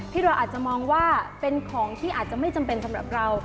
ที่เราอาจจะมองว่าเป็นของที่อาจจะไม่จำเป็นสำหรับเรา